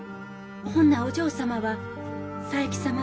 ほんなお嬢様は佐伯様と。